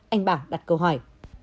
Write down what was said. anh bảo đặt câu hỏi